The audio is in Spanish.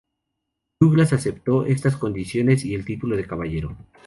Douglas aceptó estas condiciones, y el título de caballero.